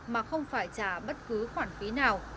mà không phải trả bất cứ khoản phí nào